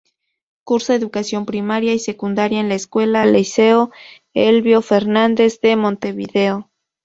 Cursa educación primaria y secundaria en la Escuela y Liceo Elbio Fernández de Montevideo.